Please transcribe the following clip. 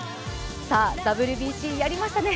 さあ、ＷＢＣやりましたね。